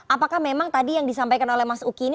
apakah memang tadi yang disampaikan oleh mas uki ini